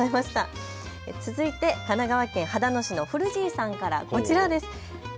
続いて神奈川県秦野市のふるじいさんから、こちらです。